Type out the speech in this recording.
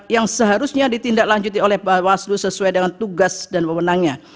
yang seharusnya ditindaklanjuti oleh bawaslu sesuai dengan tugas dan pemenangnya